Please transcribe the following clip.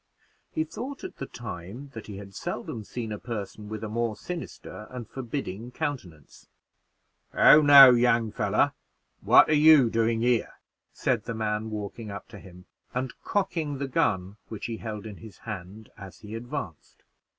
He thought at the time that he had seldom seen a person with a more sinister and forbidding countenance. "How now, young fellow, what are you doing here?" said the man, walking up to him and cocking the gun which he held in hand as he advanced.